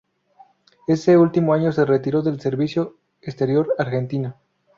Ese último año se retiró del servicio exterior argentino.